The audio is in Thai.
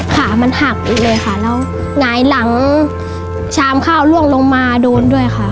ขามันหักเลยค่ะแล้วหงายหลังชามข้าวล่วงลงมาโดนด้วยค่ะ